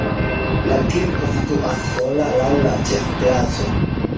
La kirko situas sola laŭ la ĉefplaco.